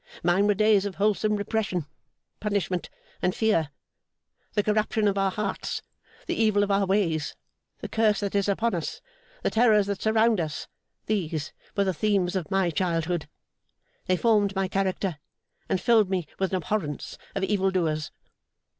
Mine were days of wholesome repression, punishment, and fear. The corruption of our hearts, the evil of our ways, the curse that is upon us, the terrors that surround us these were the themes of my childhood. They formed my character, and filled me with an abhorrence of evil doers.